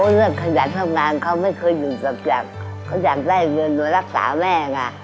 โอ้เรื่องขยันทำงานเขาไม่เคยหยุดกับอย่างเขาอยากได้เรือนรักษาแม่งอะ